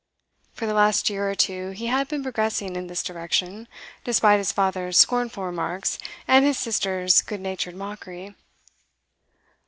For the last year or two he had been progressing in this direction, despite his father's scornful remarks and his sister's good natured mockery.